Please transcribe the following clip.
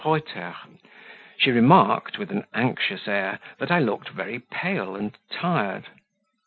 Reuter; she remarked, with an anxious air, that I looked very pale and tired.